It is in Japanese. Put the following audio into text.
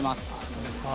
そうですか。